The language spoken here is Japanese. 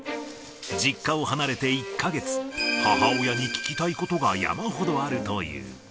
実家を離れて１か月、母親に聞きたいことが山ほどあるという。